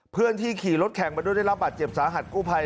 เพื่อนที่ขี่รถแข่งมาด้วยได้รับบาดเจ็บสาหัสกู้ภัย